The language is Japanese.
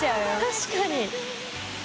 確かに。